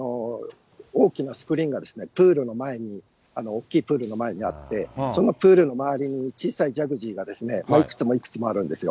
大きなスクリーンがプールの前に、大きいプールの前にあって、そのプールの周りに小さいジャグジーがいくつもいくつもあるんですよ。